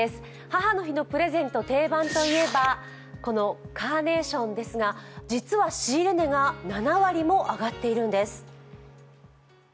母の日のプレゼント定番と言えばこのカーネーションですが、実は仕入れ値が７割も上がっているんです。